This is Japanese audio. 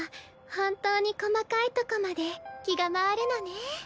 本当に細かいとこまで気が回るのね。